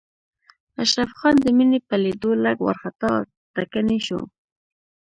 اشرف خان د مينې په ليدو لږ وارخطا او ټکنی شو.